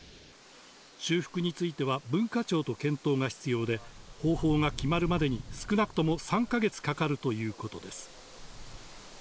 修復については、文化庁と検討が必要で、方法が決まるまでに少なくとも３か月かかるということです。